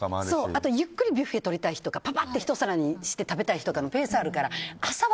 あとゆっくりビュッフェ取りたい日とかぱぱっとひと皿にして食べたいとかペースがあるから。